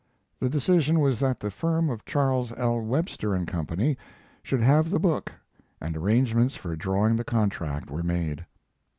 The decision was that the firm of Charles L. Webster & Co. should have the book, and arrangements for drawing the contract were made.